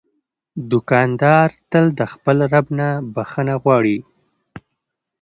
دوکاندار تل د خپل رب نه بخښنه غواړي.